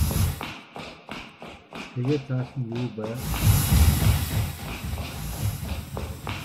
Тэгээд цааш нь юу байв?